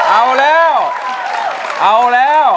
เอาแล้ว